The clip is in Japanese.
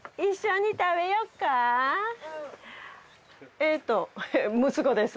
えっと息子です。